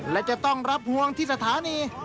และจะต้องรับห่วงที่สถานี